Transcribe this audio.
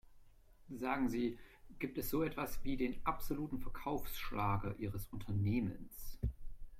Sagen Sie, gibt es so etwas wie den absoluten Verkaufsschlager ihres Unternehmens?